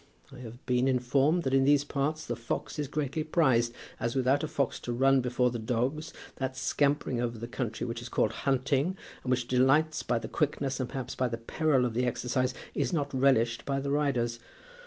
I have been informed that in these parts the fox is greatly prized, as without a fox to run before the dogs, that scampering over the country which is called hunting, and which delights by the quickness and perhaps by the peril of the exercise, is not relished by the riders.